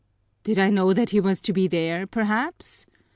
"Did I know that he was to be there, perhaps?"